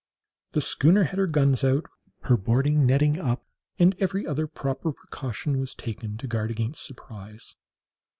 The schooner had her guns run out, her boarding nettings up, and every other proper precaution was taken to guard against surprise.